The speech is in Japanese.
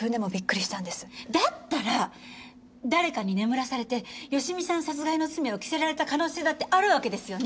だったら誰かに眠らされて芳美さん殺害の罪を着せられた可能性だってあるわけですよね？